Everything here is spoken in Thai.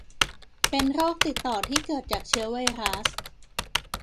เป็นโรคติดต่อที่เกิดจากเชื้อไวรัส